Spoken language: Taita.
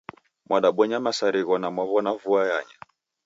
Mwadabonya msarigho na mwaw'ona vua yanya